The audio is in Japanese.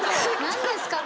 何ですか？